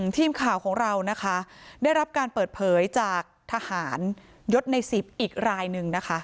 ทีมข่าวของเรานะคะได้รับการเปิดเผยจากทหารยศใน๑๐อีกรายหนึ่งนะคะ